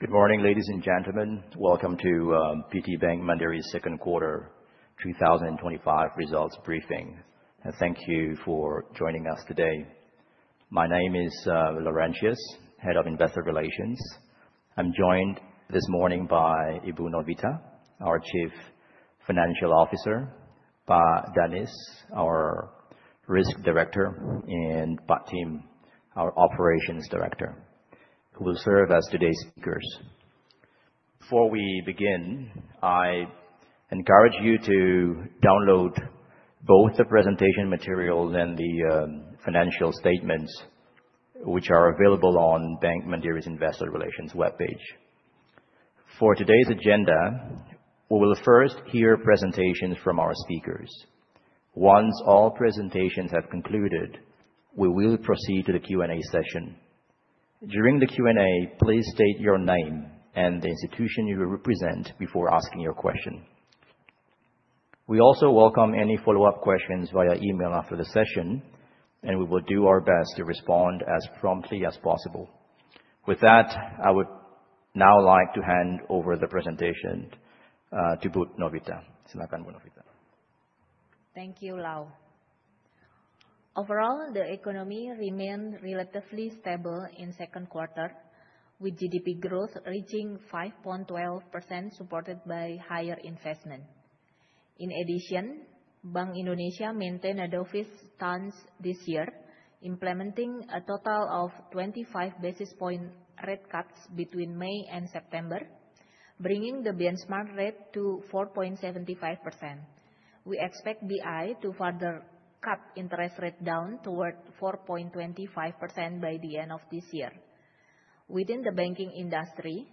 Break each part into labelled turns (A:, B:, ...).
A: Good morning, ladies and gentlemen. Welcome to PT Bank Mandiri's second quarter 2025 results briefing. Thank you for joining us today. My name is Laurensius, Head of Investor Relations. I'm joined this morning by Ibu Novita, our Chief Financial Officer; by Danis, our Risk Director; and Pak Tim, our Operations Director, who will serve as today's speakers. Before we begin, I encourage you to download both the presentation materials and the financial statements, which are available on Bank Mandiri's Investor Relations webpage. For today's agenda, we will first hear presentations from our speakers. Once all presentations have concluded, we will proceed to the Q&A session. During the Q&A, please state your name and the institution you will represent before asking your question. We also welcome any follow-up questions via email after the session, and we will do our best to respond as promptly as possible. With that, I would now like to hand over the presentation to Ibu Novita. Silakan, Ibu Novita.
B: Thank you, Lau. Overall, the economy remained relatively stable in the second quarter, with GDP growth reaching 5.12%, supported by higher investment. In addition, Bank Indonesia maintained a dovish stance this year, implementing a total of 25 basis point rate cuts between May and September, bringing the benchmark rate to 4.75%. We expect BI to further cut interest rates down toward 4.25% by the end of this year. Within the banking industry,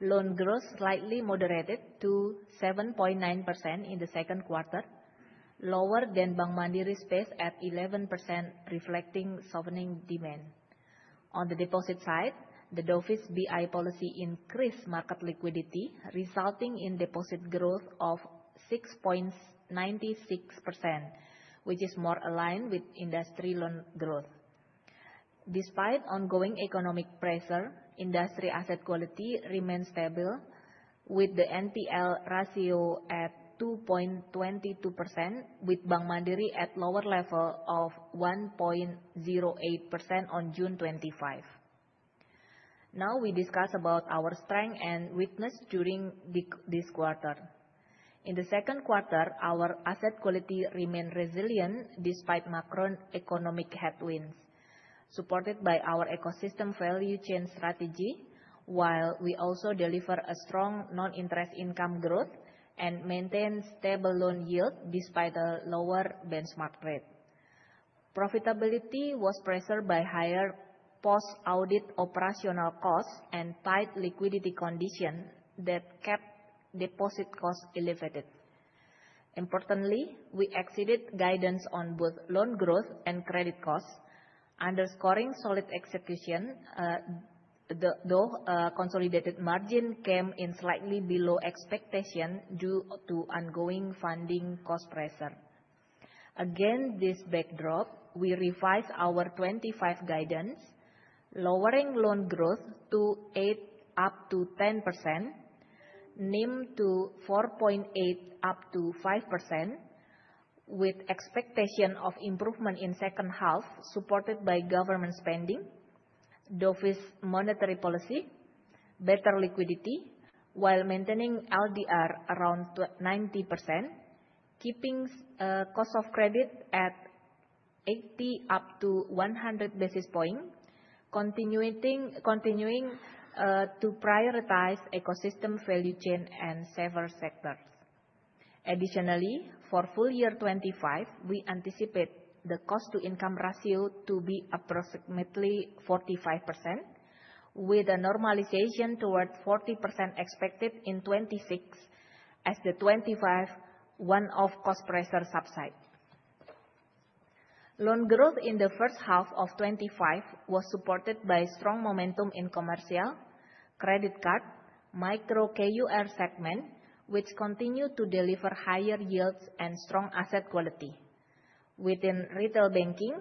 B: loan growth slightly moderated to 7.9% in the second quarter, lower than Bank Mandiri's pace at 11%, reflecting softening demand. On the deposit side, the dovish BI policy increased market liquidity, resulting in deposit growth of 6.96%, which is more aligned with industry loan growth. Despite ongoing economic pressure, industry asset quality remained stable, with the NPL ratio at 2.22%, with Bank Mandiri at a lower level of 1.08% on June 25. Now, we discuss our strengths and weaknesses during this quarter. In the second quarter, our asset quality remained resilient despite macroeconomic headwinds, supported by our ecosystem value chain strategy, while we also delivered strong non-interest income growth and maintained stable loan yields despite a lower benchmark rate. Profitability was pressured by higher post-audit operational costs and tight liquidity conditions that kept deposit costs elevated. Importantly, we exceeded guidance on both loan growth and credit costs, underscoring solid execution, though consolidated margins came in slightly below expectations due to ongoing funding cost pressure. Against this backdrop, we revised our 2025 guidance, lowering loan growth to 8% up to 10%, NIM to 4.8 up to 5%, with expectations of improvement in the second half, supported by government spending, dovish monetary policy, better liquidity, while maintaining LDR around 90%, keeping cost of credit at 80 basis points up to 100 basis points, continuing to prioritize ecosystem value chain and server sectors. Additionally, for full year 2025, we anticipate the cost-to-income ratio to be approximately 45%, with a normalization toward 40% expected in 2026, as the 2025 one-off cost pressure subsides. Loan growth in the first half of 2025 was supported by strong momentum in commercial, credit card, and micro-KUR segments, which continued to deliver higher yields and strong asset quality. Within retail banking,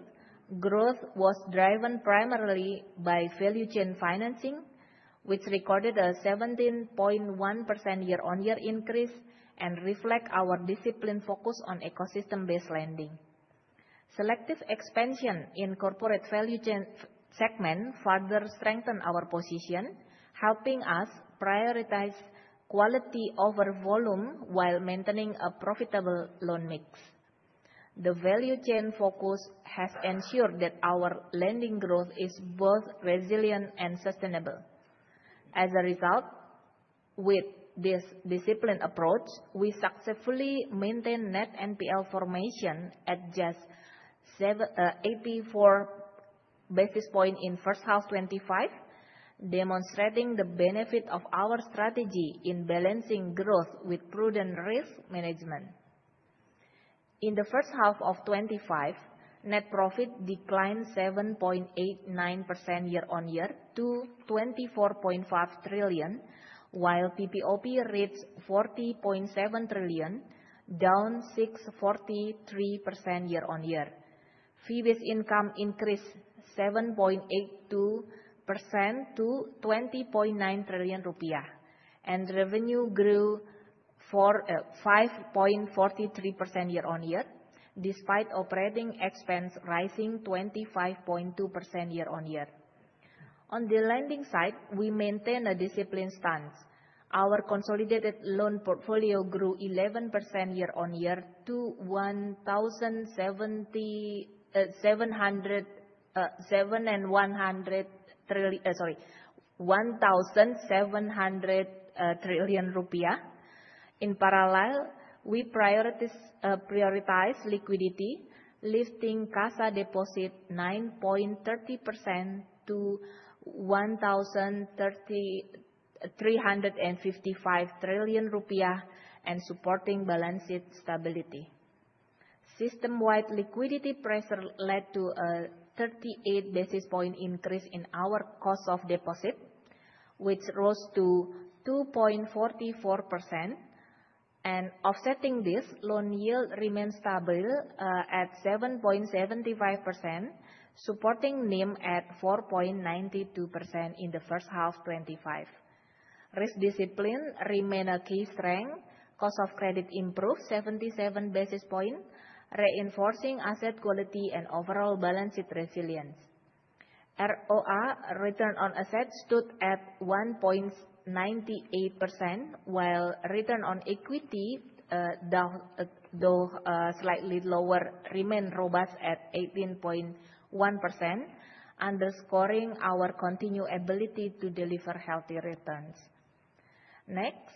B: growth was driven primarily by value chain financing, which recorded a 17.1% year-on-year increase and reflects our disciplined focus on ecosystem-based lending. Selective expansion in corporate value chain segments further strengthened our position, helping us prioritize quality over volume while maintaining a profitable loan mix. The value chain focus has ensured that our lending growth is both resilient and sustainable. As a result, with this disciplined approach, we successfully maintained net NPL formation at just 84 basis points in the first half of 2025, demonstrating the benefit of our strategy in balancing growth with prudent risk management. In the first half of 2025, net profit declined 7.89% year-on-year to 24.5 trillion, while PPOP reached 40.7 trillion, down 6.43% year-on-year. PPOP income increased 7.82% to 20.9 trillion rupiah, and revenue grew 5.43% year-on-year, despite operating expense rising 25.2% year-on-year. On the lending side, we maintained a disciplined stance. Our consolidated loan portfolio grew 11% year-on-year to IDR 1,700 trillion. In parallel, we prioritized liquidity, lifting cash deposits 9.30% to 1,355 trillion rupiah and supporting balance sheet stability. System-wide liquidity pressure led to a 38 basis point increase in our cost of deposit, which rose to 2.44%. Offsetting this, loan yield remained stable at 7.75%, supporting NIM at 4.92% in the first half of 2025. Risk discipline remained a key strength. Cost of credit improved 77 basis points, reinforcing asset quality and overall balance sheet resilience. ROA (Return on Assets) stood at 1.98%, while Return on Equity, though slightly lower, remained robust at 18.1%, underscoring our continued ability to deliver healthy returns. Next,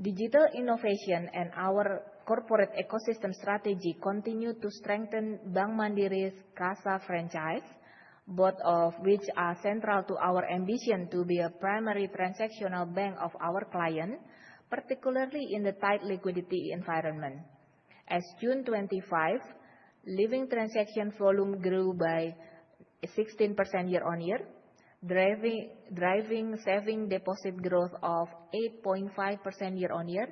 B: digital innovation and our corporate ecosystem strategy continue to strengthen Bank Mandiri's cash franchise, both of which are central to our ambition to be a primary transactional bank of our clients, particularly in the tight liquidity environment. As of June 2025, Livin' transaction volume grew by 16% year-on-year, driving savings deposit growth of 8.5% year-on-year,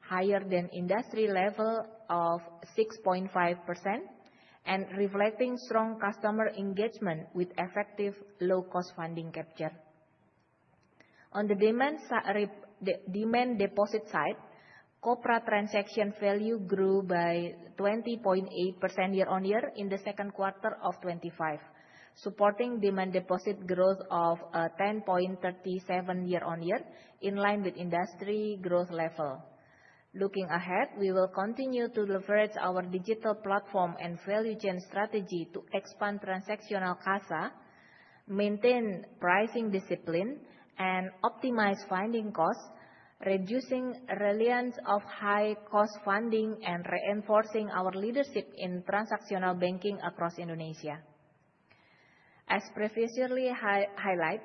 B: higher than the industry level of 6.5%, and reflecting strong customer engagement with effective low-cost funding capture. On the demand deposit side, corporate transaction value grew by 20.8% year-on-year in the second quarter of 2025, supporting demand deposit growth of 10.37% year-on-year, in line with the industry growth level. Looking ahead, we will continue to leverage our digital platform and value chain strategy to expand transactional cash, maintain pricing discipline, and optimize funding costs, reducing reliance on high-cost funding and reinforcing our leadership in transactional banking across Indonesia. As previously highlighted,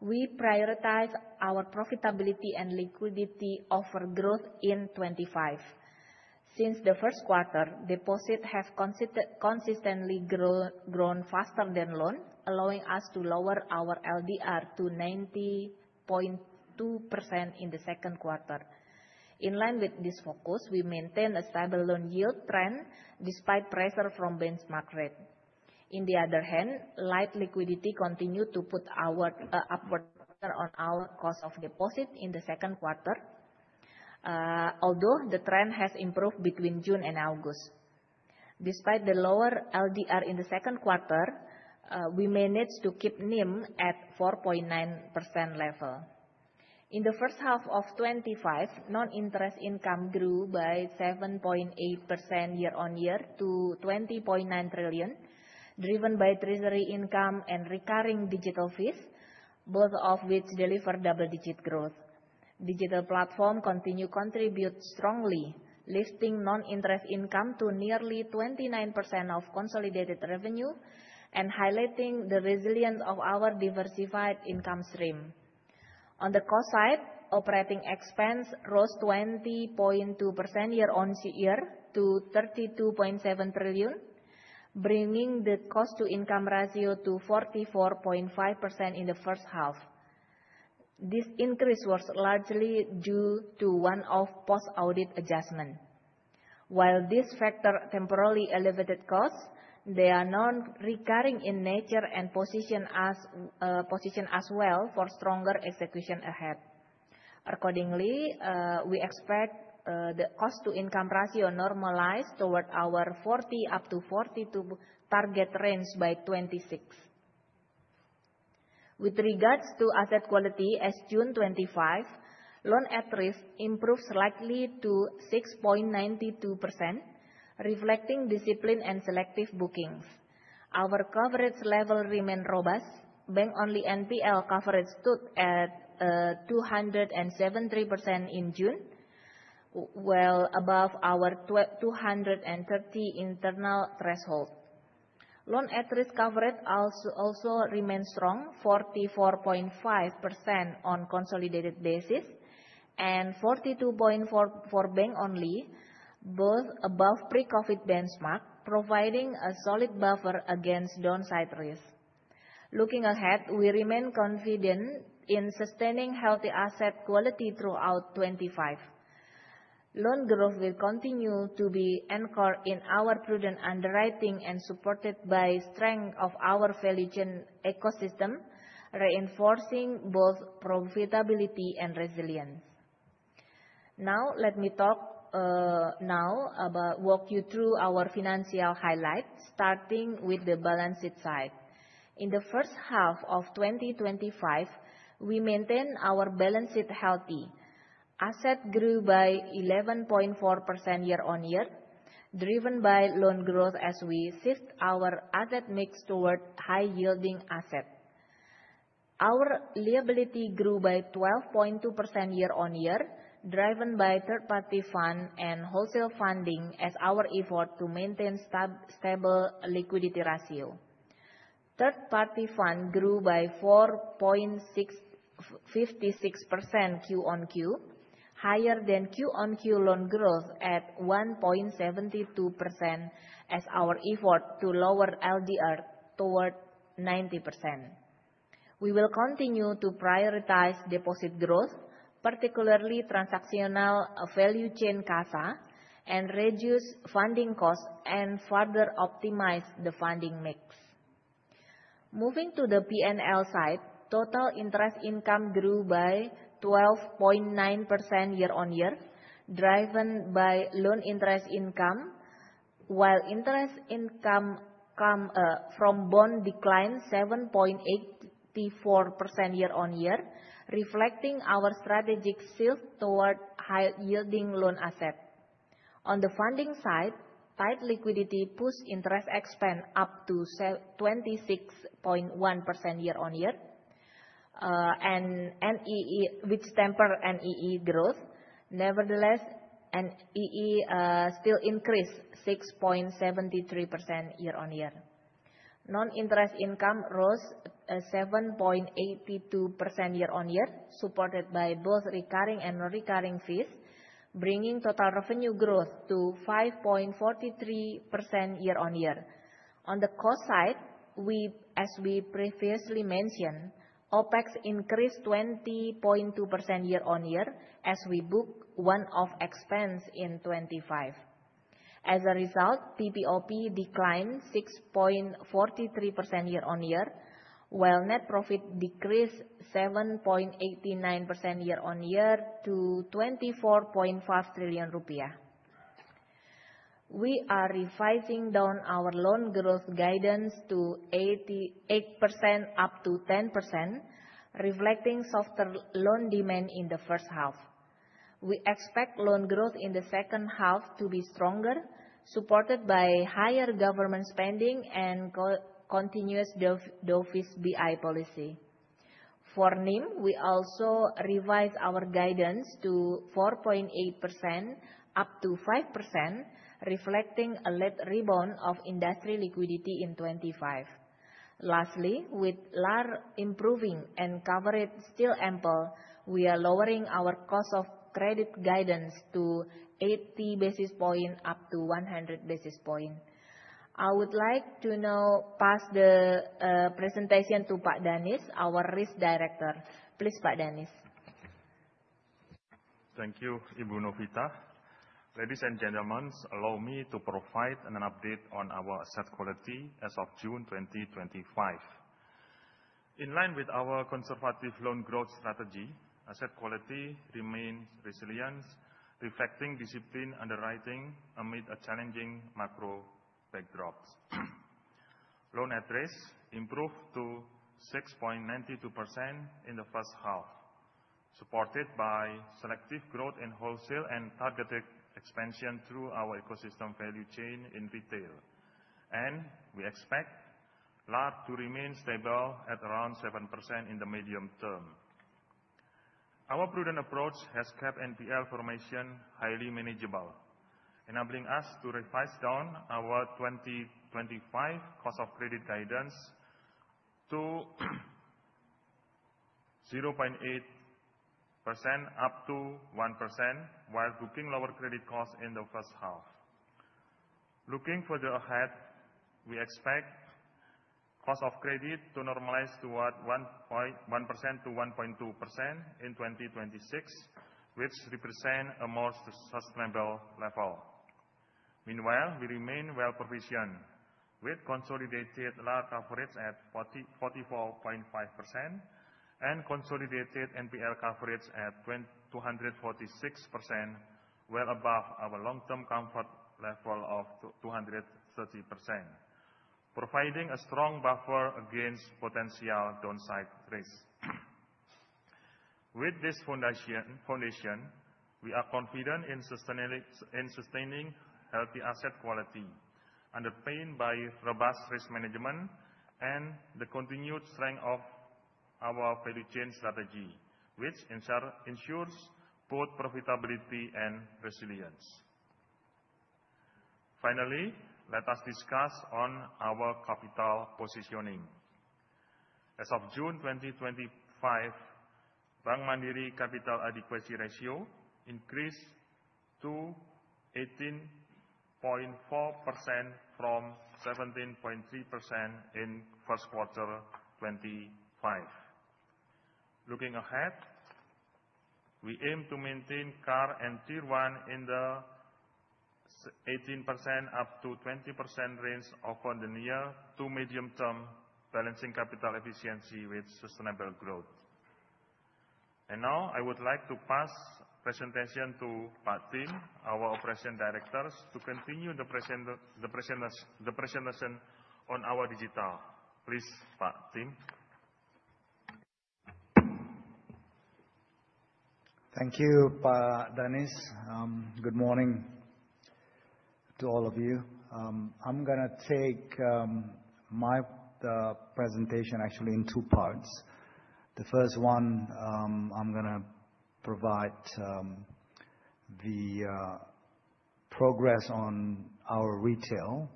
B: we prioritize our profitability and liquidity over growth in 2025. Since the first quarter, deposits have consistently grown faster than loans, allowing us to lower our LDR to 90.2% in the second quarter. In line with this focus, we maintained a stable loan yield trend despite pressure from benchmark rates. On the other hand, light liquidity continued to put upward pressure on our cost of deposit in the second quarter, although the trend has improved between June and August. Despite the lower LDR in the second quarter, we managed to keep NIM at 4.9% level. In the first half of 2025, non-interest income grew by 7.8% year-on-year to 20.9 trillion, driven by treasury income and recurring digital fees, both of which delivered double-digit growth. Digital platforms continue to contribute strongly, lifting non-interest income to nearly 29% of consolidated revenue and highlighting the resilience of our diversified income stream. On the cost side, operating expense rose 20.2% year-on-year to IDR 32.7 trillion, bringing the cost-to-income ratio to 44.5% in the first half. This increase was largely due to one-off post-audit adjustment. While this factor temporarily elevated costs, they are non-recurring in nature and position us well for stronger execution ahead. Accordingly, we expect the cost-to-income ratio to normalize toward our 40%-42% target range by 2026. With regards to asset quality, as of June 2025, loan at risk improved slightly to 6.92%, reflecting discipline and selective bookings. Our coverage level remained robust. Bank-only NPL coverage stood at 273% in June, well above our 230% internal threshold. Loan at risk coverage also remained strong, 44.5% on a consolidated basis and 42.4% for bank-only, both above the pre-COVID benchmark, providing a solid buffer against downside risk. Looking ahead, we remain confident in sustaining healthy asset quality throughout 2025. Loan growth will continue to be anchored in our prudent underwriting and supported by the strength of our value chain ecosystem, reinforcing both profitability and resilience. Now, let me talk now about walk you through our financial highlights, starting with the balance sheet side. In the first half of 2025, we maintained our balance sheet healthy. Assets grew by 11.4% year-on-year, driven by loan growth as we shift our asset mix toward high-yielding assets. Our liability grew by 12.2% year-on-year, driven by third-party funds and wholesale funding as our effort to maintain stable liquidity ratio. Third-party funds grew by 4.56% Q on Q, higher than Q on Q loan growth at 1.72% as our effort to lower LDR toward 90%. We will continue to prioritize deposit growth, particularly transactional value chain cash, and reduce funding costs and further optimize the funding mix. Moving to the P&L side, total interest income grew by 12.9% year-on-year, driven by loan interest income, while interest income from bonds declined 7.84% year-on-year, reflecting our strategic shift toward high-yielding loan assets. On the funding side, tight liquidity pushed interest expense up to 26.1% year-on-year, which tempered NII growth. Nevertheless, NII still increased 6.73% year-on-year. Non-interest income rose 7.82% year-on-year, supported by both recurring and non-recurring fees, bringing total revenue growth to 5.43% year-on-year. On the cost side, as we previously mentioned, OpEx increased 20.2% year-on-year as we booked one-off expense in 2025. As a result, PPOP declined 6.43% year-on-year, while net profit decreased 7.89% year-on-year to 24.5 trillion rupiah. We are revising down our loan growth guidance to 8%-10%, reflecting softer loan demand in the first half. We expect loan growth in the second half to be stronger, supported by higher government spending and continuous dovish BI policy. For NIM, we also revised our guidance to 4.8%-5%, reflecting a late rebound of industry liquidity in 2025. Lastly, with large improving and coverage still ample, we are lowering our cost of credit guidance to 80 basis points-100 basis points. I would like to now pass the presentation to Pak Danis, our Risk Director. Please, Pak Danis.
C: Thank you, Ibu Novita. Ladies and gentlemen, allow me to provide an update on our asset quality as of June 2025. In line with our conservative loan growth strategy, asset quality remains resilient, reflecting disciplined underwriting amid a challenging macro backdrop. Loan at risk improved to 6.92% in the first half, supported by selective growth in wholesale and targeted expansion through our ecosystem value chain in retail. We expect LAR to remain stable at around 7% in the medium term. Our prudent approach has kept NPL formation highly manageable, enabling us to revise down our 2025 cost of credit guidance to 0.8%-1%, while booking lower credit costs in the first half. Looking further ahead, we expect cost of credit to normalize toward 1%-1.2% in 2026, which represents a more sustainable level. Meanwhile, we remain well-positioned with consolidated LAR coverage at 44.5% and consolidated NPL coverage at 246%, well above our long-term comfort level of 230%, providing a strong buffer against potential downside risk. With this foundation, we are confident in sustaining healthy asset quality underpinned by robust risk management and the continued strength of our value chain strategy, which ensures both profitability and resilience. Finally, let us discuss our capital positioning. As of June 2025, Bank Mandiri Capital Adequacy Ratio increased to 18.4% from 17.3% in the first quarter of 2025. Looking ahead, we aim to maintain core and tier one in the 18%-20% range over the near to medium term, balancing capital efficiency with sustainable growth. I would like to pass the presentation to Pak Tim, our Operations Director, to continue the presentation on our digital.
D: Please, Pak Tim. Thank you, Pak Danis. Good morning to all of you. I'm going to take my presentation actually in two parts. The first one, I'm going to provide the progress on our retail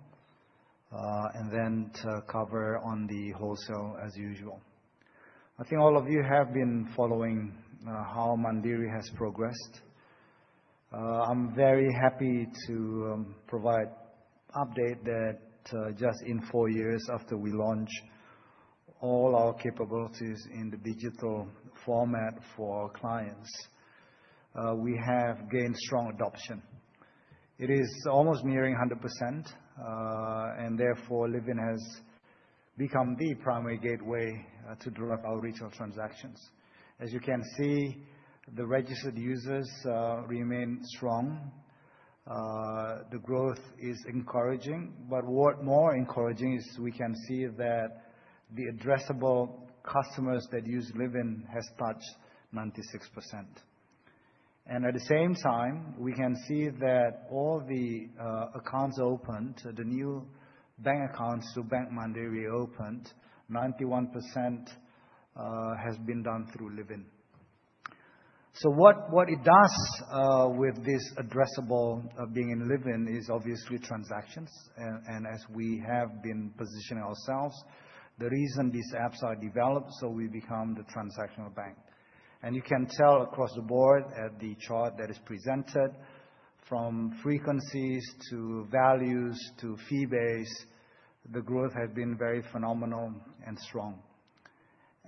D: and then cover on the wholesale as usual. I think all of you have been following how Mandiri has progressed. I'm very happy to provide an update that just in four years after we launched all our capabilities in the digital format for our clients, we have gained strong adoption. It is almost nearing 100%, and therefore Livin' has become the primary gateway to drive our retail transactions. As you can see, the registered users remain strong. The growth is encouraging, but what's more encouraging is we can see that the addressable customers that use Livin' has touched 96%. At the same time, we can see that all the accounts opened, the new bank accounts to Bank Mandiri opened, 91% has been done through Livin'. What it does with this addressable being in Livin' is obviously transactions. As we have been positioning ourselves, the reason these apps are developed is so we become the transactional bank. You can tell across the board at the chart that is presented, from frequencies to values to fee base, the growth has been very phenomenal and strong.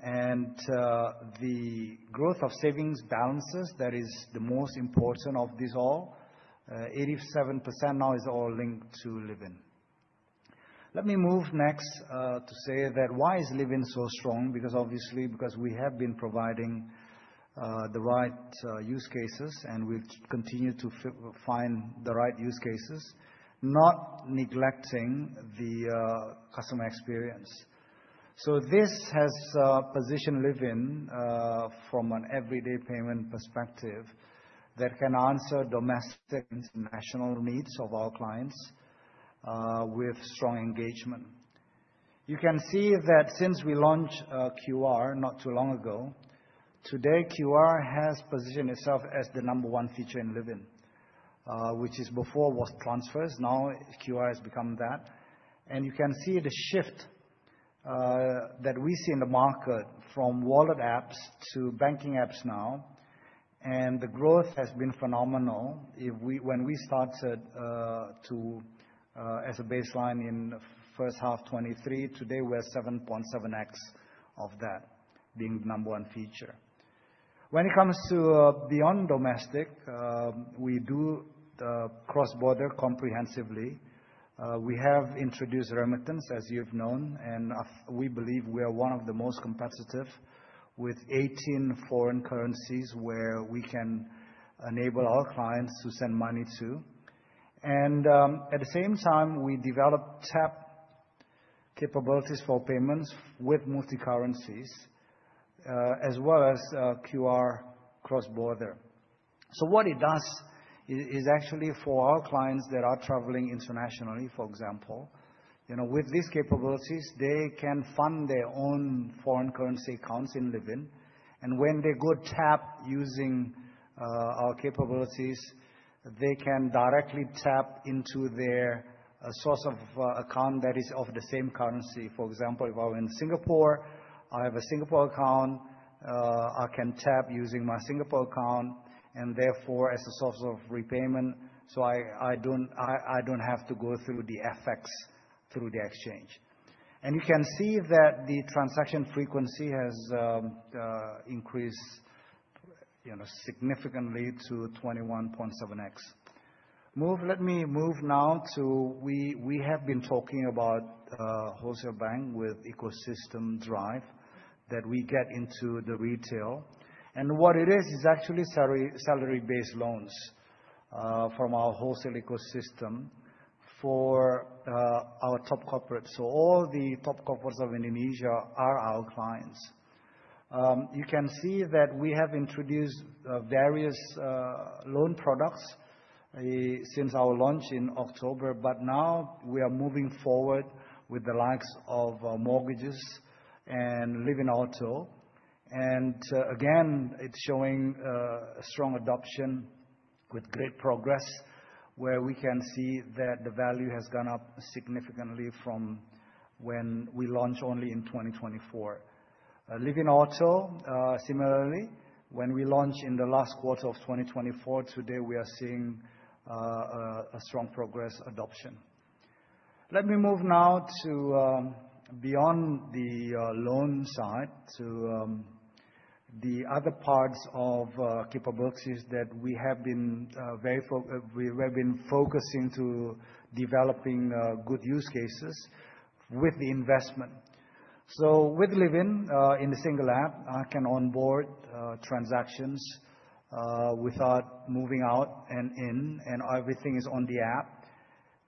D: The growth of savings balances, that is the most important of these all, 87% now is all linked to Livin'. Let me move next to say that why is Livin' so strong? Obviously, because we have been providing the right use cases and we continue to find the right use cases, not neglecting the customer experience. This has positioned Livin' from an everyday payment perspective that can answer domestic and international needs of our clients with strong engagement. You can see that since we launched QR not too long ago, today QR has positioned itself as the number one feature in Livin', which before was transfers. Now QR has become that. You can see the shift that we see in the market from wallet apps to banking apps now. The growth has been phenomenal. When we started as a baseline in the first half of 2023, today we're 7.7x of that being the number one feature. When it comes to beyond domestic, we do cross-border comprehensively. We have introduced remittance, as you've known, and we believe we are one of the most competitive with 18 foreign currencies where we can enable our clients to send money to. At the same time, we developed tap capabilities for payments with multi-currencies, as well as QR cross-border. What it does is actually for our clients that are traveling internationally, for example, with these capabilities, they can fund their own foreign currency accounts in Livin'. When they go tap using our capabilities, they can directly tap into their source of account that is of the same currency. For example, if I'm in Singapore, I have a Singapore account, I can tap using my Singapore account, and therefore as a source of repayment, I don't have to go through the FX through the exchange. You can see that the transaction frequency has increased significantly to 21.7x. Let me move now to we have been talking about wholesale bank with ecosystem drive that we get into the retail. What it is is actually salary-based loans from our wholesale ecosystem for our top corporates. All the top corporates of Indonesia are our clients. You can see that we have introduced various loan products since our launch in October, but now we are moving forward with the likes of mortgages and Livin' Auto. Again, it's showing strong adoption with great progress where we can see that the value has gone up significantly from when we launched only in 2024. Livin' Auto, similarly, when we launched in the last quarter of 2024, today we are seeing a strong progress adoption. Let me move now to beyond the loan side to the other parts of capabilities that we have been very focused, we have been focusing to developing good use cases with the investment. With Livin' in the single app, I can onboard transactions without moving out and in, and everything is on the app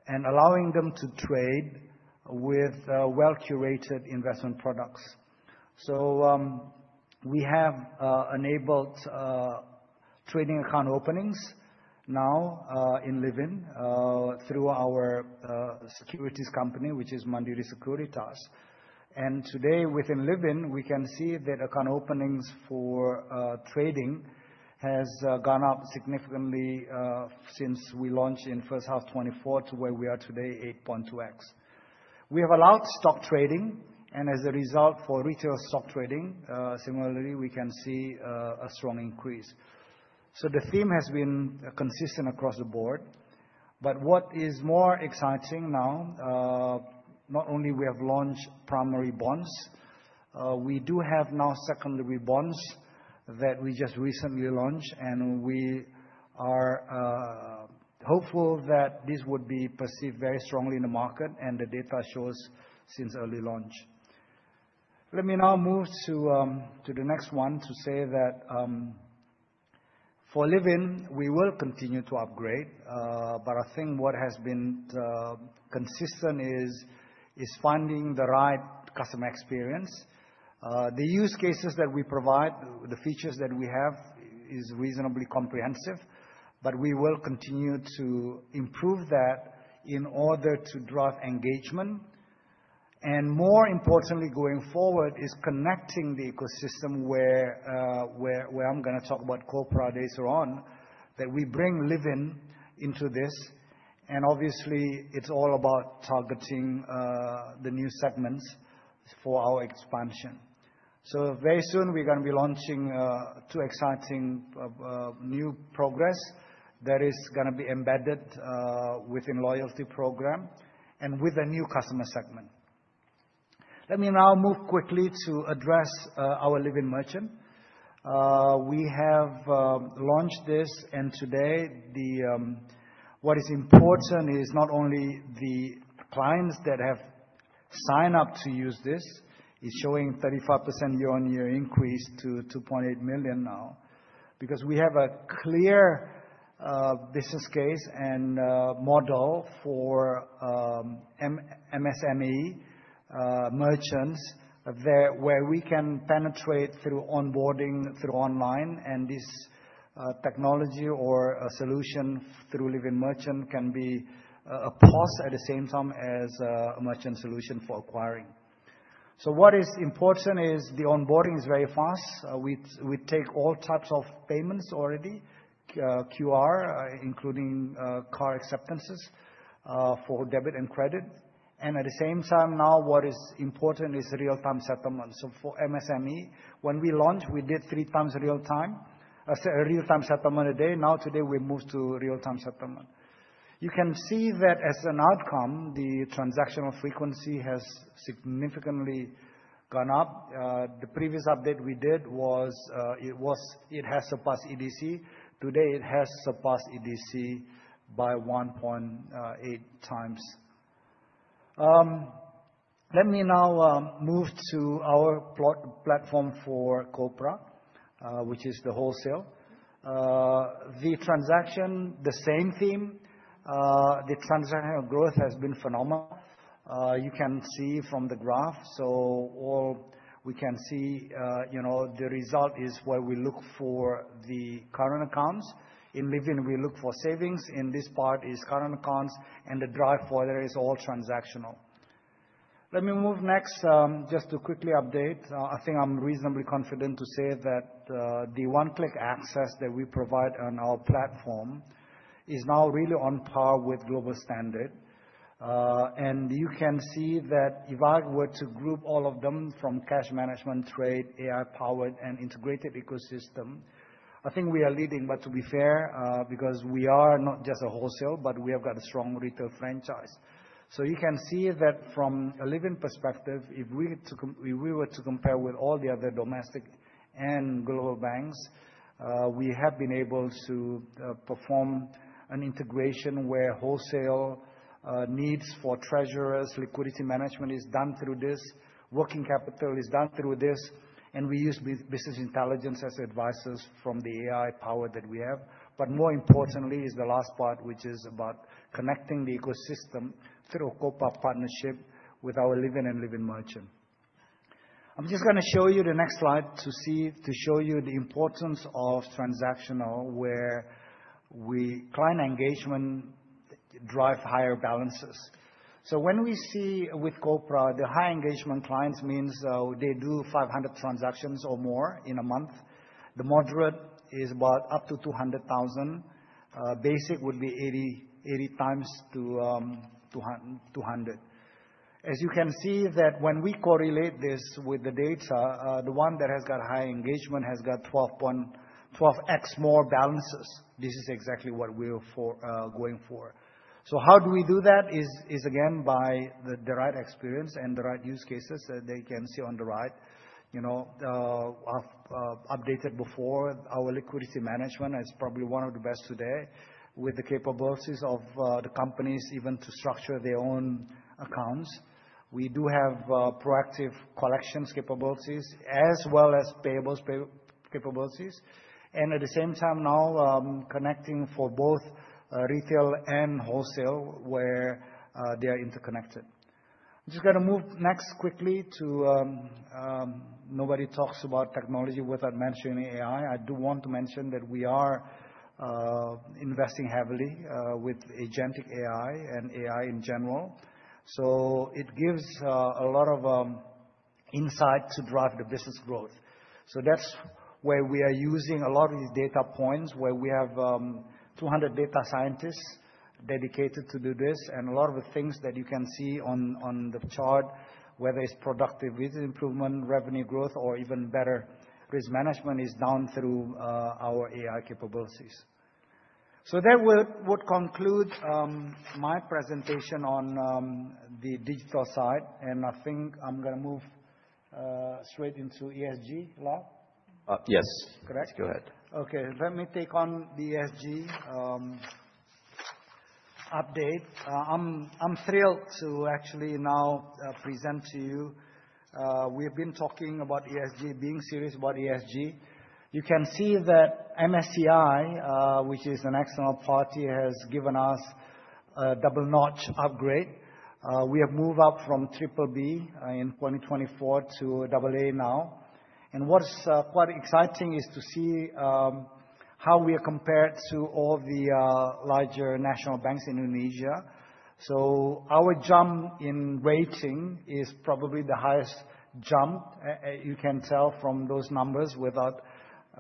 D: and allowing them to trade with well-curated investment products. We have enabled trading account openings now in Livin' through our securities company, which is Mandiri Sekuritas. Today within Livin', we can see that account openings for trading has gone up significantly since we launched in the first half of 2024 to where we are today, 8.2x. We have allowed stock trading, and as a result, for retail stock trading, similarly, we can see a strong increase. The theme has been consistent across the board. What is more exciting now, not only have we launched primary bonds, we do have now secondary bonds that we just recently launched, and we are hopeful that this would be perceived very strongly in the market, and the data shows since early launch. Let me now move to the next one to say that for Livin', we will continue to upgrade, but I think what has been consistent is finding the right customer experience. The use cases that we provide, the features that we have is reasonably comprehensive, but we will continue to improve that in order to drive engagement. More importantly, going forward is connecting the ecosystem where I am going to talk about corporate later on that we bring Livin' into this. Obviously, it is all about targeting the new segments for our expansion. Very soon, we are going to be launching two exciting new progress that is going to be embedded within the loyalty program and with a new customer segment. Let me now move quickly to address our Livin' Merchant. We have launched this, and today what is important is not only the clients that have signed up to use this, it's showing 35% year-on-year increase to 2.8 million now because we have a clear business case and model for MSME merchants where we can penetrate through onboarding through online, and this technology or solution through Livin' Merchant can be a plus at the same time as a merchant solution for acquiring. What is important is the onboarding is very fast. We take all types of payments already, QR, including card acceptances for debit and credit. At the same time, now what is important is real-time settlement. For MSME, when we launched, we did three times real-time settlement a day. Now today, we moved to real-time settlement. You can see that as an outcome, the transactional frequency has significantly gone up. The previous update we did was it has surpassed EDC. Today, it has surpassed EDC by 1.8x. Let me now move to our platform for corporate, which is the wholesale. The transaction, the same theme, the transactional growth has been phenomenal. You can see from the graph. All we can see, the result is where we look for the current accounts. In Livin', we look for savings. In this part is current accounts, and the drive folder is all transactional. Let me move next just to quickly update. I think I'm reasonably confident to say that the one-click access that we provide on our platform is now really on par with global standard. You can see that if I were to group all of them from cash management, trade, AI-powered, and integrated ecosystem, I think we are leading. To be fair, because we are not just a wholesale, but we have got a strong retail franchise. You can see that from a Livin' perspective, if we were to compare with all the other domestic and global banks, we have been able to perform an integration where wholesale needs for treasurers, liquidity management is done through this, working capital is done through this, and we use business intelligence as advisors from the AI power that we have. More importantly is the last part, which is about connecting the ecosystem through a corporate partnership with our Livin' and Livin' Merchant. I'm just going to show you the next slide to show you the importance of transactional where client engagement drives higher balances. When we see with corporate, the high engagement clients means they do 500 transactions or more in a month. The moderate is about up to 200,000 transactions. Basic would be 80,000 transactions-200,000 transactions. As you can see, when we correlate this with the data, the one that has got high engagement has got 12x more balances. This is exactly what we're going for. How do we do that is, again, by the right experience and the right use cases that they can see on the right. Updated before, our liquidity management is probably one of the best today with the capabilities of the companies even to structure their own accounts. We do have proactive collections capabilities as well as payables capabilities. At the same time now, connecting for both retail and wholesale where they are interconnected. I'm just going to move next quickly to nobody talks about technology without mentioning AI. I do want to mention that we are investing heavily with agentic AI and AI in general. It gives a lot of insight to drive the business growth. That is where we are using a lot of these data points where we have 200 data scientists dedicated to do this. A lot of the things that you can see on the chart, whether it is productivity improvement, revenue growth, or even better, risk management, is done through our AI capabilities. That would conclude my presentation on the digital side. I think I am going to move straight into ESG, Lau.
A: Yes. Correct? Go ahead.
D: Okay. Let me take on the ESG update. I am thrilled to actually now present to you. We have been talking about ESG, being serious about ESG. You can see that MSCI, which is an external party, has given us a double-notch upgrade. We have moved up from BBB in 2024 to AA now. What is quite exciting is to see how we are compared to all the larger national banks in Indonesia. Our jump in rating is probably the highest jump you can tell from those numbers without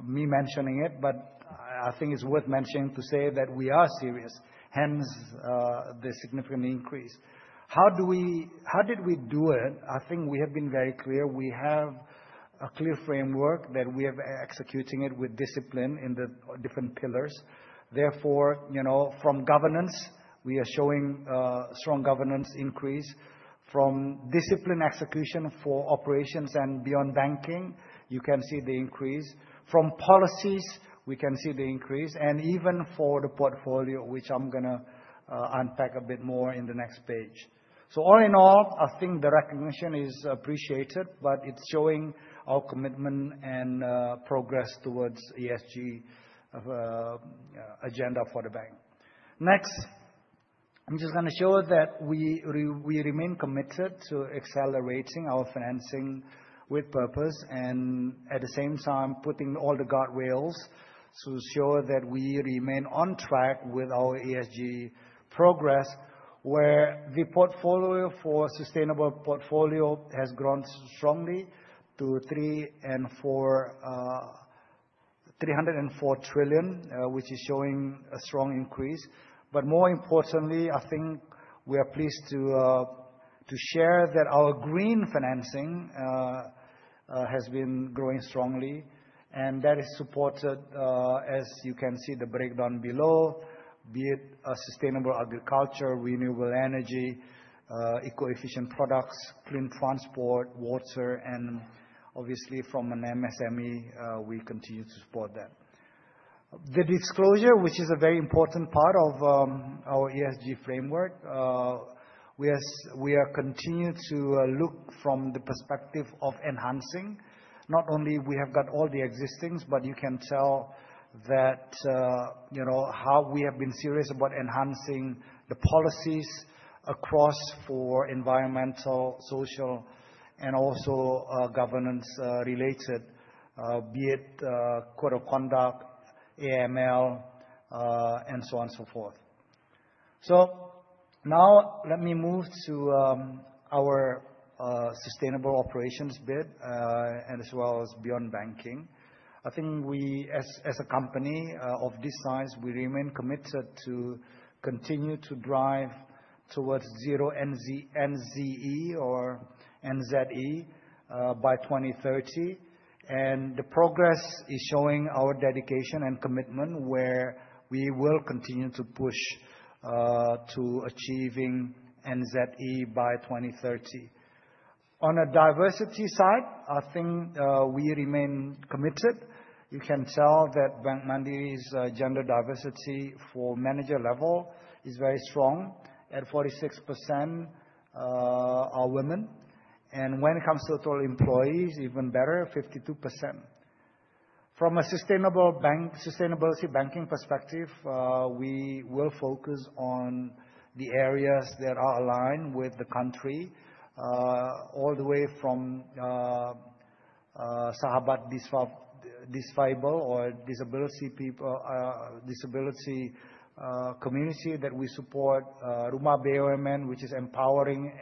D: me mentioning it. I think it is worth mentioning to say that we are serious. Hence, the significant increase. How did we do it? I think we have been very clear. We have a clear framework that we are executing with discipline in the different pillars. Therefore, from governance, we are showing strong governance increase. From discipline execution for operations and beyond banking, you can see the increase. From policies, we can see the increase. Even for the portfolio, which I am going to unpack a bit more in the next page. All in all, I think the recognition is appreciated, but it is showing our commitment and progress towards the ESG agenda for the bank. Next, I am just going to show that we remain committed to accelerating our financing with purpose and at the same time putting all the guardrails to ensure that we remain on track with our ESG progress, where the portfolio for sustainable portfolio has grown strongly to 304 trillion, which is showing a strong increase. More importantly, I think we are pleased to share that our green financing has been growing strongly. That is supported, as you can see, in the breakdown below, be it sustainable agriculture, renewable energy, eco-efficient products, clean transport, water, and obviously, from an MSME, we continue to support that. The disclosure, which is a very important part of our ESG framework, we are continuing to look from the perspective of enhancing. Not only have we got all the existings, but you can tell how we have been serious about enhancing the policies across for environmental, social, and also governance-related, be it code of conduct, AML, and so on and so forth. Now let me move to our sustainable operations bit as well as beyond banking. I think as a company of this size, we remain committed to continue to drive towards zero NZE or NZE by 2030. The progress is showing our dedication and commitment where we will continue to push to achieving NZE by 2030. On a diversity side, I think we remain committed. You can tell that Bank Mandiri's gender diversity for manager level is very strong at 46% are women. When it comes to total employees, even better, 52%. From a sustainability banking perspective, we will focus on the areas that are aligned with the country all the way from Sahabat Disable or Disability Community that we support, Rumah BUMN, which is empowering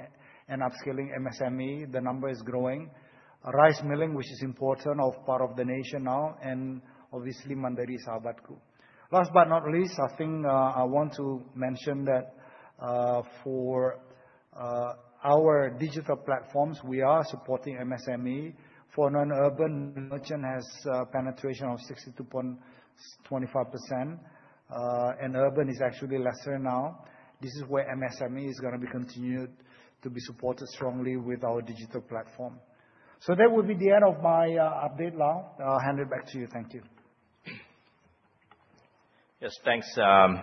D: and upskilling MSME. The number is growing. Rice milling, which is important as part of the nation now, and obviously, Mandiri Sahabatku. Last but not least, I think I want to mention that for our digital platforms, we are supporting MSME. For non-urban, merchant has penetration of 62.25%. Urban is actually lesser now. This is where MSME is going to be continued to be supported strongly with our digital platform. That would be the end of my update now. I'll hand it back to you.
A: Thank you. Yes, thanks.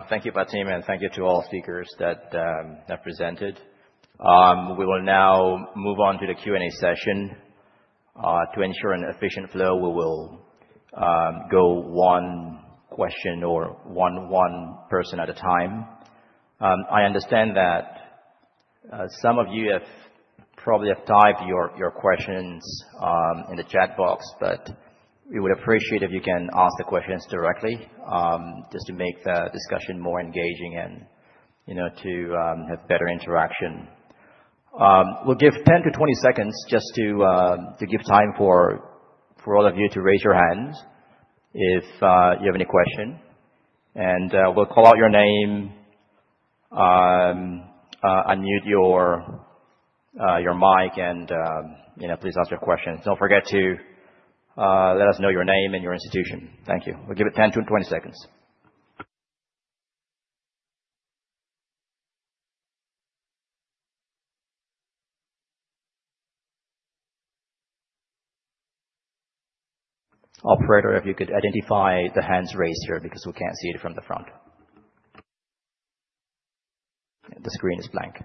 A: Thank you, Pak Tim, and thank you to all speakers that presented. We will now move on to the Q&A session. To ensure an efficient flow, we will go one question or one person at a time. I understand that some of you probably have typed your questions in the chat box, but we would appreciate it if you can ask the questions directly just to make the discussion more engaging and to have better interaction. We will give 10 seconds-20 seconds just to give time for all of you to raise your hands if you have any question. We will call out your name, unmute your mic, and please ask your questions. Do not forget to let us know your name and your institution. Thank you. We will give it 10 seconds-20 seconds. Operator, if you could identify the hands raised here because we cannot see it from the front. The screen is blank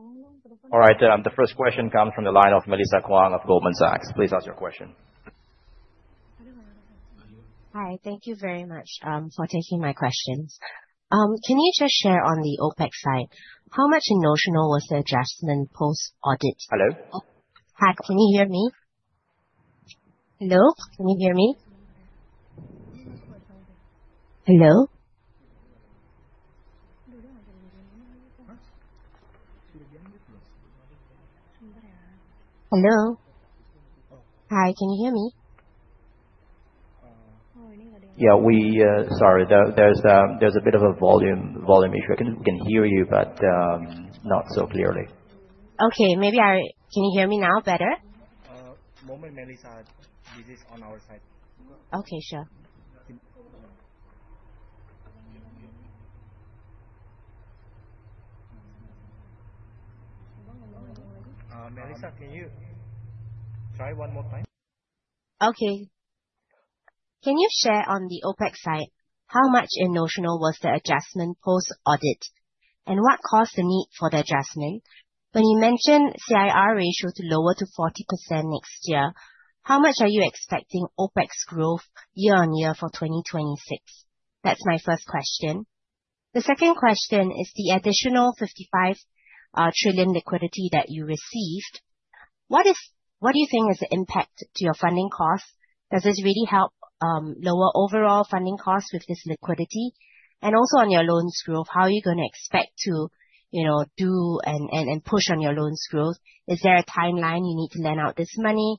A: here.
E: All right. The first question comes from the line of Melissa Kuang of Goldman Sachs.
F: Please ask your question. Hi. Thank you very much for taking my questions. Can you just share on the OpEx side, how much, um, emotional was the adjustment post-audit? Hello? Hi, can you hear me? Hello? Can you hear me? Hello? Hello? Hi, can you hear me?
A: Yeah, sorry. There's a bit of a volume issue. We can hear you, but not so clearly.
F: Okay. Can you hear me now better?
E: Moment, Melissa, this is on our side.
F: Okay, sure.
E: Melissa, can you try one more time?
F: Okay. Can you share on the OpEx side, how much, um, emotional was the adjustment post-audit? And what caused the need for the adjustment? When you mentioned CIR ratio to lower to 40% next year, how much are you expecting OpEx growth year-on-year for 2026? That's my first question. The second question is the additional 55 trillion liquidity that you received. What do you think is the impact to your funding costs? Does this really help lower overall funding costs with this liquidity? Also, on your loans growth, how are you going to expect to do and push on your loans growth? Is there a timeline you need to lend out this money?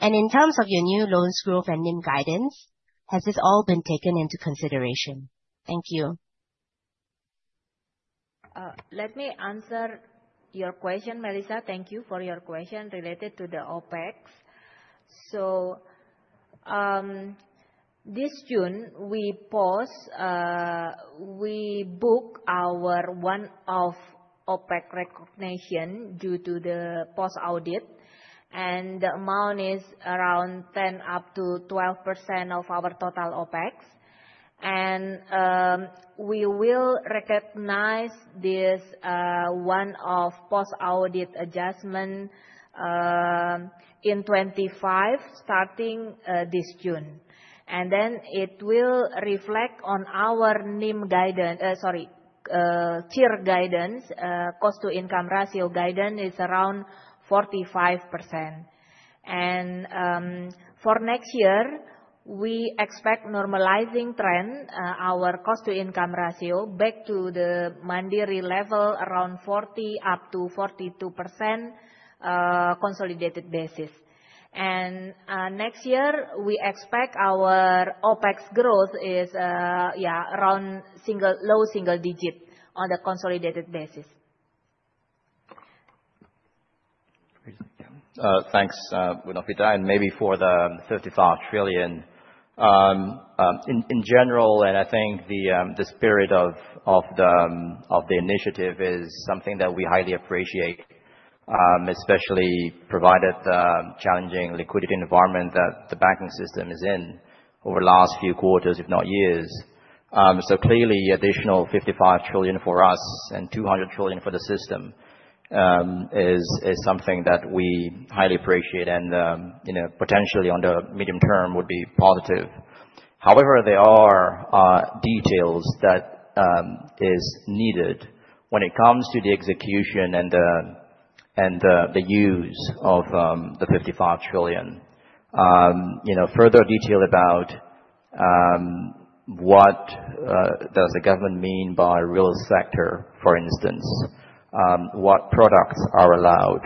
F: In terms of your new loans growth and NIM guidance, has this all been taken into consideration? Thank you.
B: Let me answer your question, Melissa. Thank you for your question related to the OpEx. This June, we booked our one-off OpEx recognition due to the post-audit. The amount is around 10%-12% of our total OpEx. We will recognize this one-off post-audit adjustment in 2025 starting this June. It will reflect on our NIM guidance, sorry, CIR guidance, cost-to-income ratio guidance is around 45%. For next year, we expect a normalizing trend, our cost-to-income ratio back to the Mandiri level around 40%-42% on a consolidated basis. Next year, we expect our OpEx growth is around low single digit on the consolidated basis.
A: Thanks, Ibu Novita. Maybe for the 55 trillion. In general, I think the spirit of the initiative is something that we highly appreciate, especially provided the challenging liquidity environment that the banking system is in over the last few quarters, if not years. Clearly, additional 55 trillion for us and 200 trillion for the system is something that we highly appreciate and potentially in the medium term would be positive. However, there are details that are needed when it comes to the execution and the use of the 55 trillion. Further detail about what does the government mean by real sector, for instance, what products are allowed,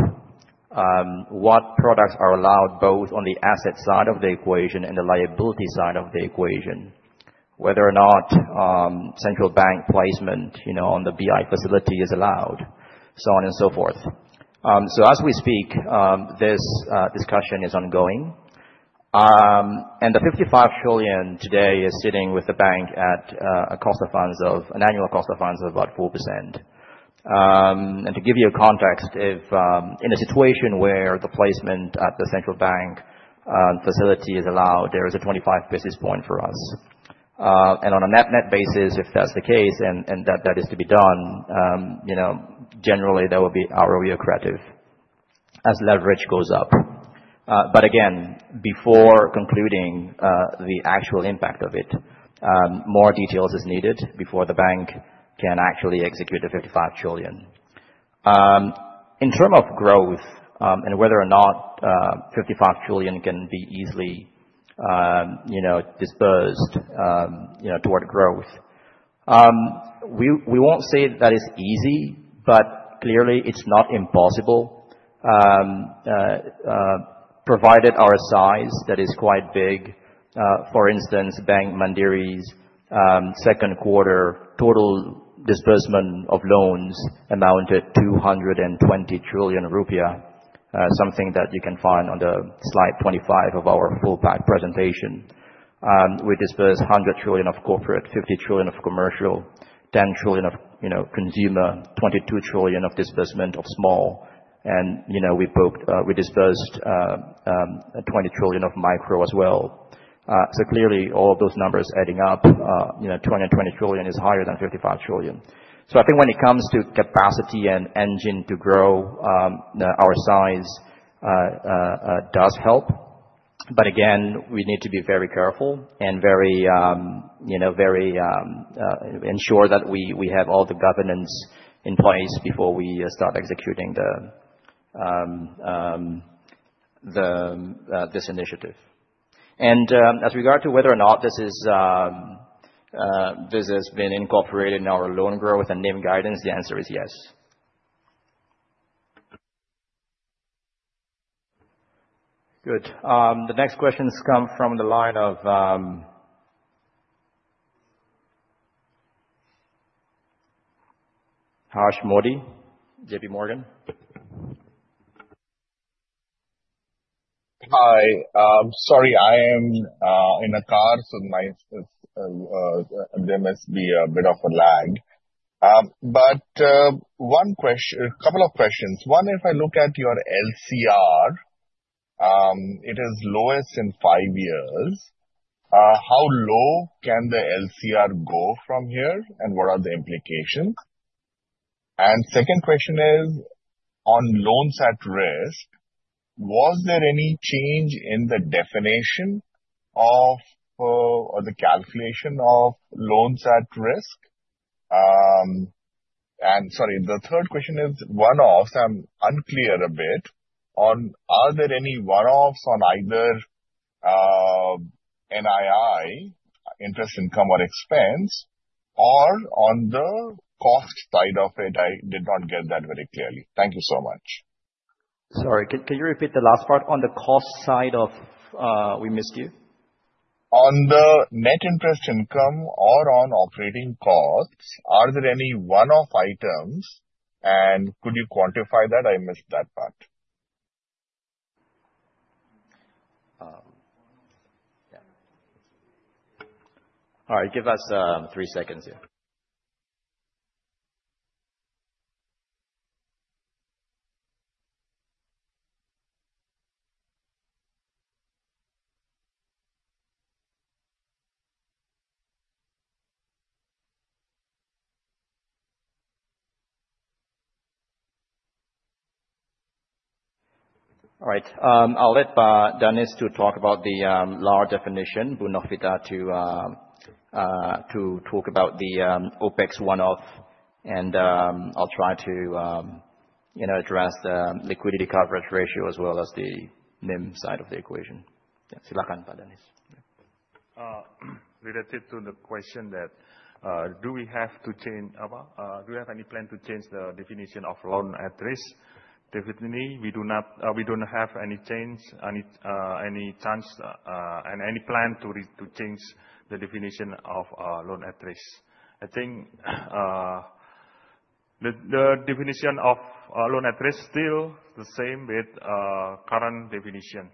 A: what products are allowed both on the asset side of the equation and the liability side of the equation, whether or not central bank placement on the BI facility is allowed, so on and so forth. As we speak, this discussion is ongoing. The 55 trillion today is sitting with the bank at an annual cost of funds of about 4%. To give you context, in a situation where the placement at the central bank facility is allowed, there is a 25 basis point for us. On a net-net basis, if that's the case and that is to be done, generally, that will be our reoccurrative as leverage goes up. Again, before concluding the actual impact of it, more details are needed before the bank can actually execute the 55 trillion. In terms of growth and whether or not 55 trillion can be easily disbursed toward growth, we will not say that it is easy, but clearly, it is not impossible provided our size that is quite big. For instance, Bank Mandiri's second quarter total disbursement of loans amounted to 220 trillion rupiah, something that you can find on slide 25 of our full pack presentation. We disbursed 100 trillion of corporate, 50 trillion of commercial, 10 trillion of consumer, 22 trillion of disbursement of small. And we disbursed 20 trillion of micro as well. Clearly, all those numbers adding up, 220 trillion is higher than 55 trillion. I think when it comes to capacity and engine to grow, our size does help. Again, we need to be very careful and ensure that we have all the governance in place before we start executing this initiative. As regard to whether or not this has been incorporated in our loan growth and NIM guidance, the answer is yes.
E: Good. The next questions come from the line of Harsh Modi, JPMorgan.
G: Hi. Sorry, I am in a car, so there must be a bit of a lag. A couple of questions. One, if I look at your LCR, it is lowest in five years. How low can the LCR go from here, and what are the implications? Second question is, on loans at risk, was there any change in the definition of or the calculation of loans at risk? Sorry, the third question is one-offs. I'm unclear a bit on are there any one-offs on either NII, interest income or expense, or on the cost side of it? I did not get that very clearly. Thank you so much.
A: Sorry, can you repeat the last part on the cost side of we missed you?
G: On the net interest income or on operating costs, are there any one-off items, and could you quantify that? I missed that part.
A: All right. Give us three seconds here. All right. I'll let Danis talk about the large definition, Novita to talk about the OpEx one-off, and I'll try to address the liquidity coverage ratio as well as the NIM side of the equation.
C: Yeah, silakan Pak Danis. Related to the question that do we have to change do we have any plan to change the definition of loan at risk? Definitely, we do not have any change, any chance, and any plan to change the definition of loan at risk. I think the definition of loan at risk is still the same with current definition.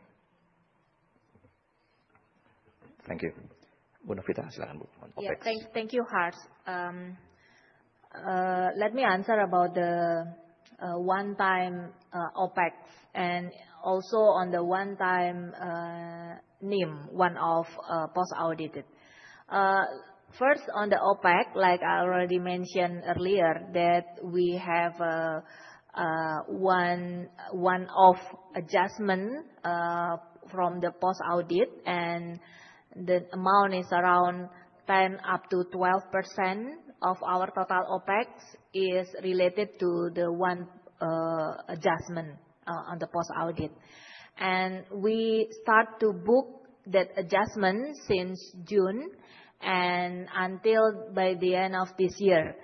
G: Thank you.
A: Ibu Novita, silakan OPEX.
B: Yeah, thank you, Harsh. Let me answer about the one-time OpEx and also on the one-time NIM, one-off post-audited. First, on the OpEx, like I already mentioned earlier, we have one-off adjustment from the post-audit, and the amount is around 10%-12% of our total OpEx is related to the one adjustment on the post-audit. We start to book that adjustment since June and until by the end of this year.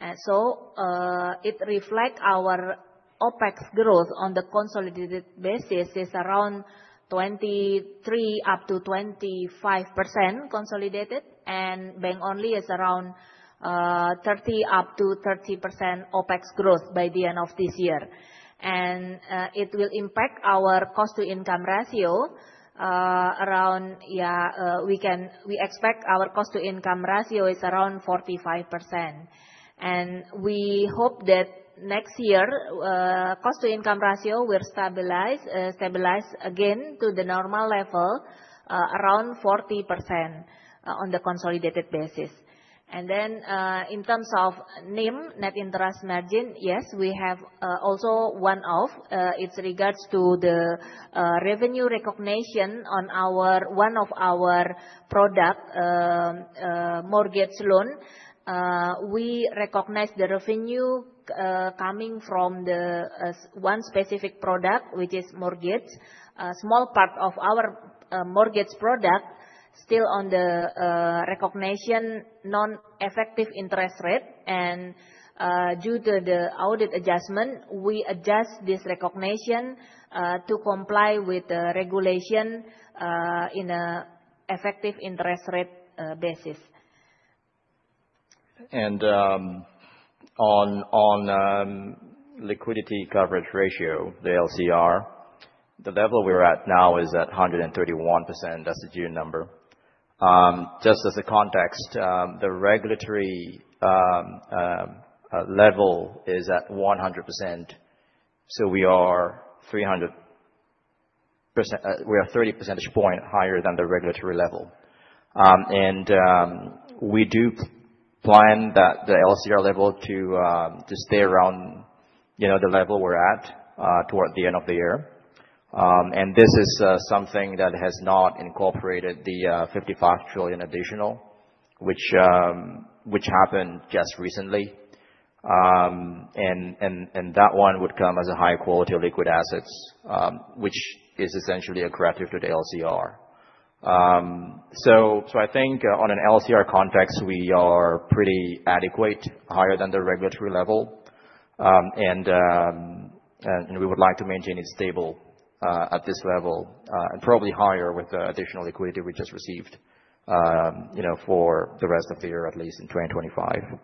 B: It reflects our OpEx growth on the consolidated basis is around 23%-25% consolidated, and bank only is around 30%-30% OpEx growth by the end of this year. It will impact our cost-to-income ratio. We expect our cost-to-income ratio is around 45%. We hope that next year, cost-to-income ratio will stabilize again to the normal level, around 40% on the consolidated basis. In terms of NIM, net interest margin, yes, we have also one-off. It is regards to the revenue recognition on one of our product mortgage loan. We recognize the revenue coming from one specific product, which is mortgage. Small part of our mortgage product is still on the recognition non-effective interest rate. Due to the audit adjustment, we adjust this recognition to comply with the regulation in an effective interest rate basis.
A: On liquidity coverage ratio, the LCR, the level we are at now is at 131%. That is a June number. Just as a context, the regulatory level is at 100%, so we are 30 percentage points higher than the regulatory level. We do plan that the LCR level will stay around the level we are at toward the end of the year. This is something that has not incorporated the 55 trillion additional, which happened just recently. That would come as high-quality liquid assets, which is essentially accretive to the LCR. I think in an LCR context, we are pretty adequate, higher than the regulatory level. We would like to maintain it stable at this level and probably higher with the additional liquidity we just received for the rest of the year, at least in 2025.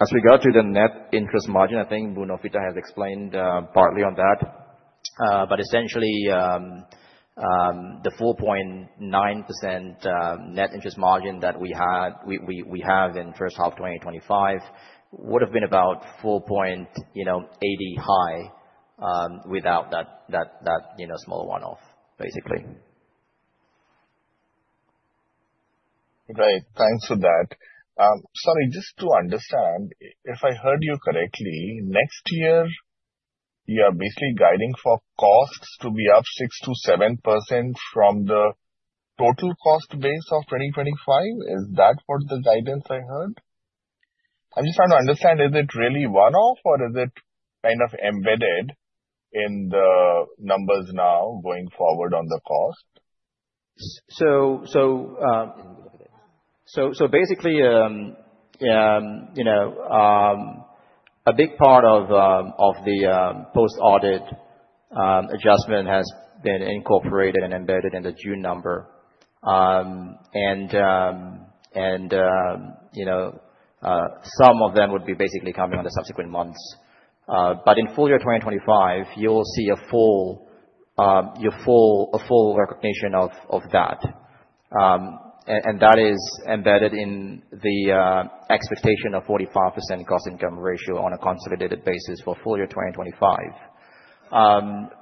A: As we go to the net interest margin, I think Novita has explained partly on that. But essentially, the 4.9% net interest margin that we have in first half 2025 would have been about 4.80% high without that small one-off, basically.
G: Great. Thanks for that. Sorry, just to understand, if I heard you correctly, next year, you are basically guiding for costs to be up 6%-7% from the total cost base of 2025. Is that what the guidance I heard? I'm just trying to understand, is it really one-off, or is it kind of embedded in the numbers now going forward on the cost?
A: Basically, a big part of the post-audit adjustment has been incorporated and embedded in the June number. Some of them would be basically coming on the subsequent months. In full year 2025, you'll see a full recognition of that. That is embedded in the expectation of 45% cost-income ratio on a consolidated basis for full year 2025.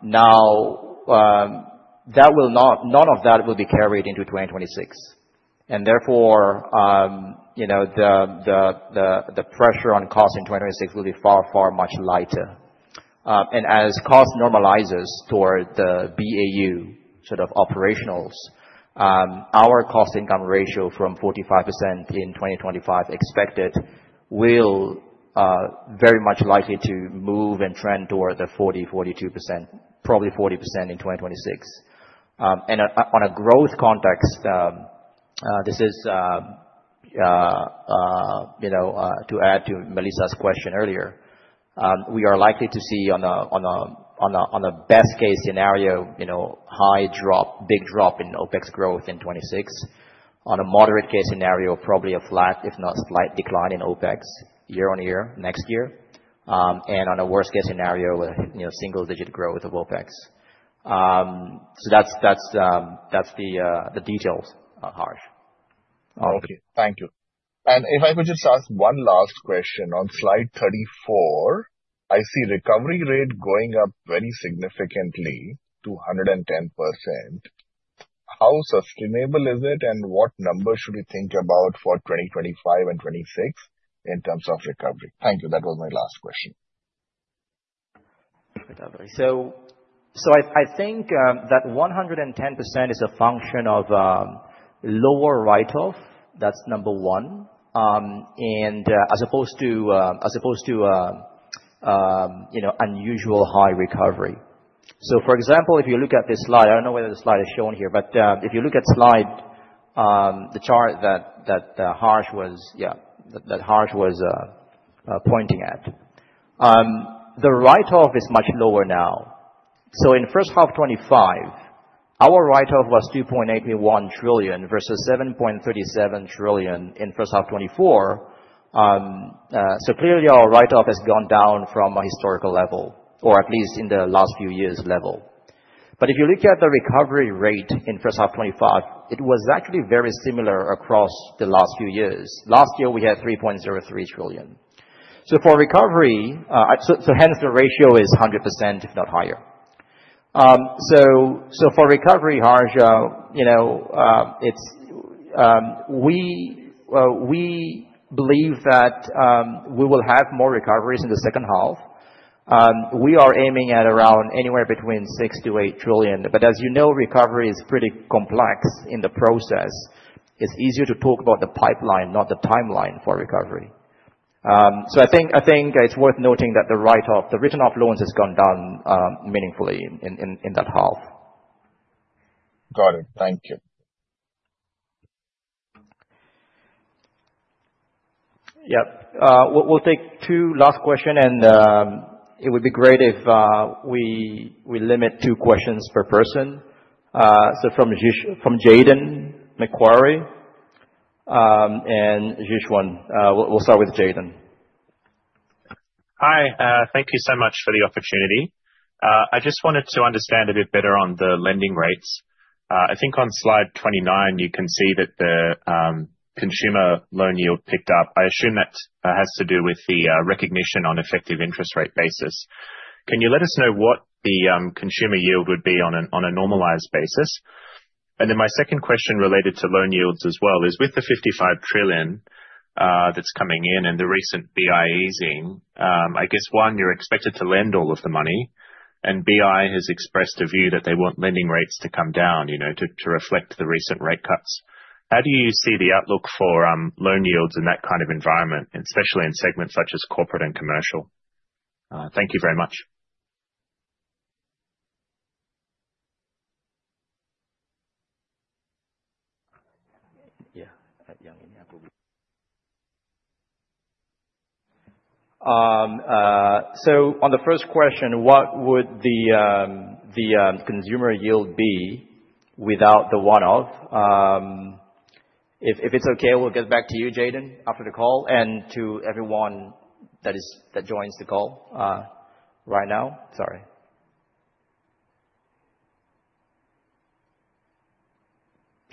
A: None of that will be carried into 2026. Therefore, the pressure on cost in 2026 will be far, far much lighter. As cost normalizes toward the BAU sort of operationals, our cost-income ratio from 45% in 2025 expected will very much likely to move and trend toward the 40%-42%, probably 40% in 2026. On a growth context, this is to add to Melissa's question earlier. We are likely to see on a best-case scenario, high drop, big drop in OpEx growth in 2026. On a moderate-case scenario, probably a flat, if not slight decline in OpEx year-on-year next year. On a worst-case scenario, a single-digit growth of OpEx. That is the details, Harsh.
G: Okay. Thank you. If I could just ask one last question. On slide 34, I see recovery rate going up very significantly to 110%. How sustainable is it, and what number should we think about for 2025 and 2026 in terms of recovery? Thank you. That was my last question.
A: I think that 110% is a function of lower write-off. That's number one. As opposed to unusually high recovery. For example, if you look at this slide, I do not know whether the slide is shown here, but if you look at the chart that Harsh was pointing at, the write-off is much lower now. In first half 2025, our write-off was 2.81 trillion versus 7.37 trillion in first half 2024. Clearly, our write-off has gone down from a historical level, or at least in the last few years' level. If you look at the recovery rate in first half 2025, it was actually very similar across the last few years. Last year, we had 3.03 trillion for recovery, so hence the ratio is 100%, if not higher. For recovery, Harsh, we believe that we will have more recoveries in the second half. We are aiming at around anywhere between 6 trillion-8 trillion. As you know, recovery is pretty complex in the process. It's easier to talk about the pipeline, not the timeline for recovery. I think it's worth noting that the written-off loans has gone down meaningfully in that half.
G: Got it. Thank you.
A: Yep. We'll take two last questions, and it would be great if we limit two questions per person. From Jayden Macquarie and Joshua We'll start with Jayden.
H: Hi. Thank you so much for the opportunity. I just wanted to understand a bit better on the lending rates. I think on slide 29, you can see that the consumer loan yield picked up. I assume that has to do with the recognition on effective interest rate basis. Can you let us know what the consumer yield would be on a normalized basis? My second question related to loan yields as well is with the 55 trillion that's coming in and the recent BI easing, I guess, one, you're expected to lend all of the money, and BI has expressed a view that they want lending rates to come down to reflect the recent rate cuts. How do you see the outlook for loan yields in that kind of environment, especially in segments such as corporate and commercial? Thank you very much. Yeah.
A: On the first question, what would the consumer yield be without the one-off? If it's okay, we'll get back to you, Jayden, after the call, and to everyone that joins the call right now. Sorry.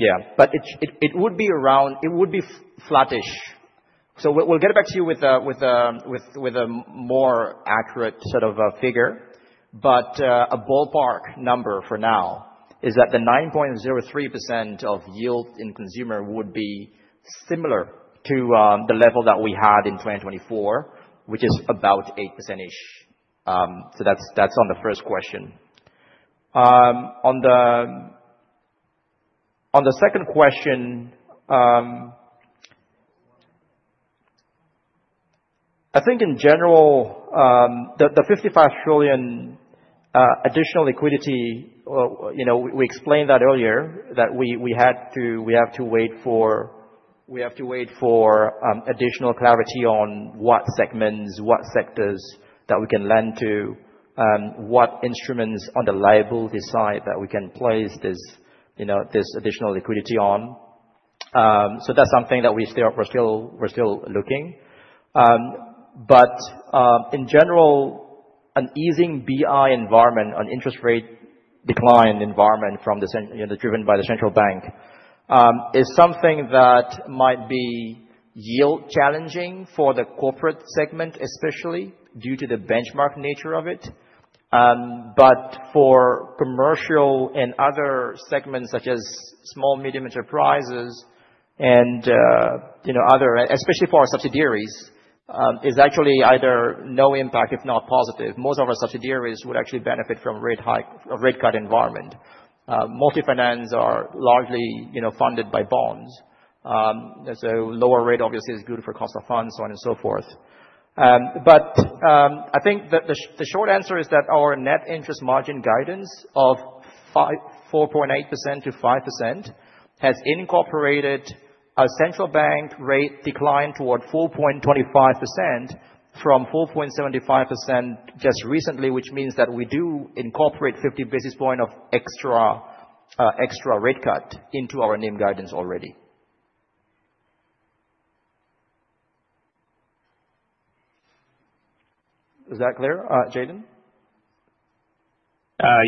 A: It would be around, it would be flattish. We'll get back to you with a more accurate sort of figure. A ballpark number for now is that the 9.03% yield in consumer would be similar to the level that we had in 2024, which is about 8%-ish. That's on the first question. On the second question, I think in general, the 55 trillion additional liquidity, we explained that earlier, that we have to wait for additional clarity on what segments, what sectors that we can lend to, what instruments on the liability side that we can place this additional liquidity on. That is something that we are still looking at. In general, an easing BI environment, an interest rate decline environment driven by the central bank, is something that might be yield-challenging for the corporate segment, especially due to the benchmark nature of it. For commercial and other segments, such as small, medium enterprises and others, especially for our subsidiaries, it is actually either no impact, if not positive. Most of our subsidiaries would actually benefit from a rate-cut environment. Multifinance are largely funded by bonds. Lower rate, obviously, is good for cost of funds, so on and so forth. I think the short answer is that our net interest margin guidance of 4.8%-5% has incorporated a central bank rate decline toward 4.25% from 4.75% just recently, which means that we do incorporate 50 basis points of extra rate cut into our NIM guidance already. Is that clear, Jayden?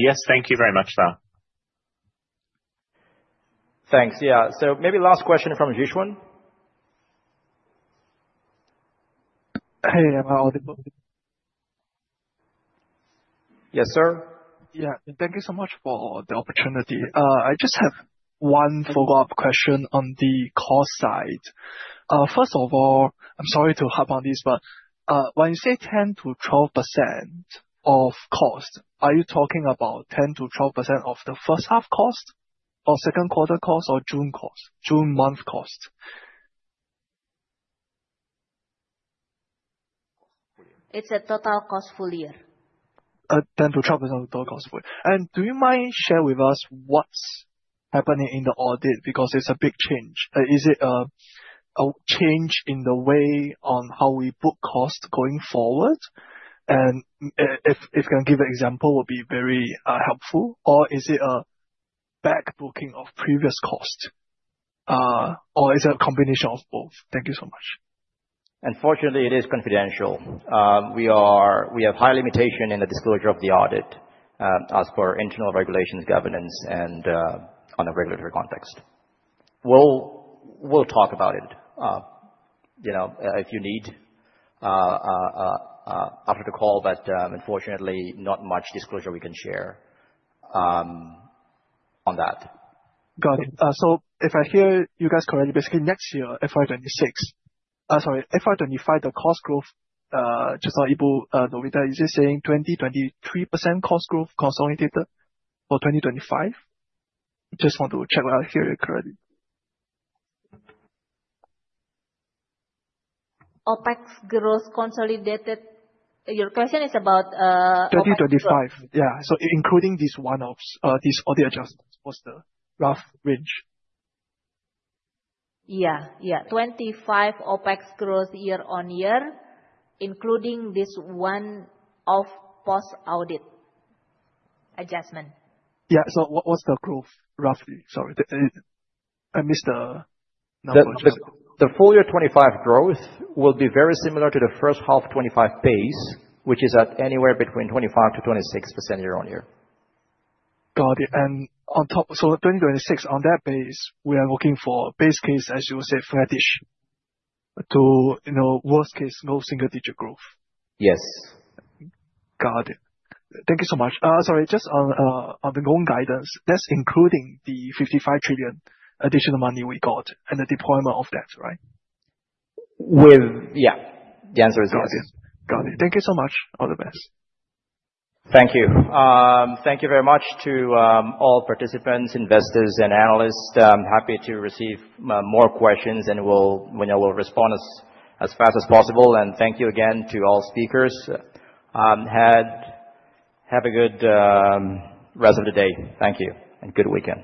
H: Yes. Thank you very much for that.
A: Thanks. Maybe last question from Joshua.
I: Hey, I'm audible.
A: Yes, sir?
I: Thank you so much for the opportunity. I just have one follow-up question on the cost side. First of all, I'm sorry to harp on this, but when you say 10%-12% of cost, are you talking about 10%-12% of the first half cost or second quarter cost or June month cost?
B: It's a total cost full year.
I: 10%-12% of total cost full year. Do you mind sharing with us what's happening in the audit? Because it's a big change. Is it a change in the way on how we book cost going forward? If you can give an example, it would be very helpful. Is it a backbooking of previous cost? Is it a combination of both? Thank you so much.
A: Unfortunately, it is confidential. We have high limitation in the disclosure of the audit as per internal regulations, governance, and on a regulatory context. We'll talk about it if you need after the call. Unfortunately, not much disclosure we can share on that.
I: Got it. If I hear you guys correctly, basically next year, FY 2026, sorry, FY 2025, the cost growth, just so I'm able to know better, is it saying 20%-23% cost growth consolidated for 2025? Just want to check what I hear correctly.
B: OpEx growth consolidated. Your question is about
I: 2025. Yeah. Including these one-offs, these audit adjustments, what is the rough range?
B: Yeah. 2025 OpEx growth year-on-year, including this one-off post-audit adjustment.
I: What is the growth, roughly? Sorry. I missed the number.
A: The full year 2025 growth will be very similar to the first half 2025 base, which is at anywhere between 25%-26% year-on-year.
I: Got it. On top, 2026, on that base, we are looking for base case, as you said, flattish to worst case, no single-digit growth.
A: Yes.
I: Got it. Thank you so much. Sorry. Just on the loan guidance, that is including the 55 trillion additional money we got and the deployment of that, right?
A: Yeah. The answer is yes.
I: Got it. Got it. Thank you so much. All the best.
A: Thank you. Thank you very much to all participants, investors, and analysts. I'm happy to receive more questions, and we'll respond as fast as possible. Thank you again to all speakers. Have a good rest of the day. Thank you, and good weekend.